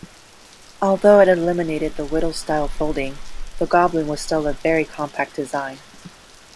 Although it eliminated the Whittle-style "folding", the Goblin was still a very compact design.